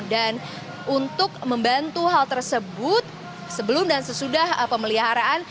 dan untuk membantu hal tersebut sebelum dan sesudah pemeliharaan